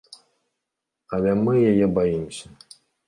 Але мы яе баімся.